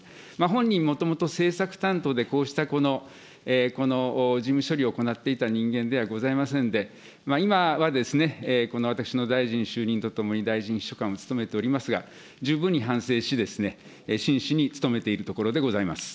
本人、もともと政策担当で、こうした、この事務処理を行っていた人間ではございませんで、今はですね、この私の大臣就任とともに大臣秘書官を務めておりますが、十分に反省し、真摯に務めているところでございます。